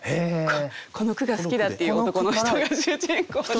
この句が好きだっていう男の人が主人公で。